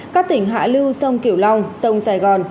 các tỉnh hạ lưu sông kiểu long sông sài gòn